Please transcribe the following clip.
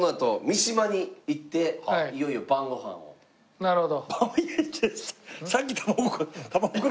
なるほど。